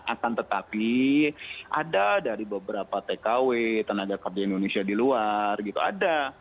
akan tetapi ada dari beberapa tkw tenaga kerja indonesia di luar gitu ada